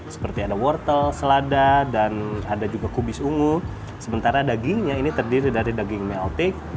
seperti ada wortel selada dan ada juga kubis ungu sementara dagingnya ini terdiri dari daging meltik